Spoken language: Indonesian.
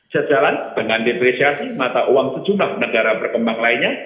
sejalan dengan depresiasi mata uang sejumlah negara berkembang lainnya